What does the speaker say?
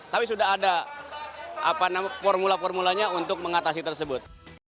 tapi sudah ada formula formulanya untuk mengatasi tersebut